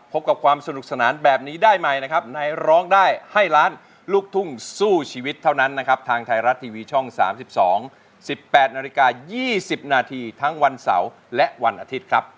พบกับความสนุกสนานแบบนี้ได้ใหม่นะครับในร้องได้ให้ล้านลูกทุ่งสู้ชีวิตเท่านั้นนะครับทางไทยรัฐทีวีช่อง๓๒๑๘นาฬิกา๒๐นาทีทั้งวันเสาร์และวันอาทิตย์ครับ